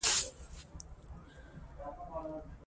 دا آزادي د صادقانه او خلاصو خبرو اترو لامل کېږي.